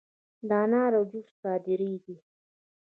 د انارو جوس صادریږي؟